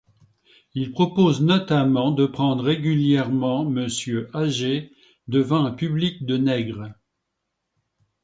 Il propose notamment de pendre régulièrement Monsieur Agee devant un public de nègres.